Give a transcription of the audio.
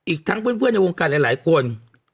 อีกทั้งเพื่อนในวงการหลายคน